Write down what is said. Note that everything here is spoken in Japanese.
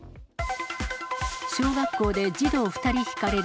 小学校で児童２人ひかれる。